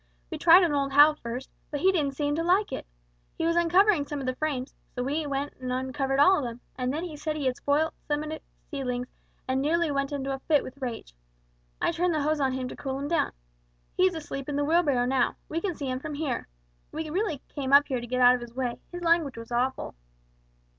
We tried on old Hal first, but he didn't seem to like it. He was uncovering some of the frames, and so we went and uncovered all of them, and then he said we had spoilt some of his seedlings, and nearly went into a fit with rage. I turned the hose on him to cool him down. He is asleep in the wheelbarrow now; we can see him from here. We really came up here to get out of his way, his language was awful!"